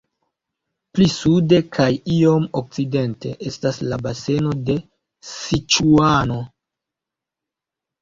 Pli sude kaj iom okcidente estas la baseno de Siĉuano.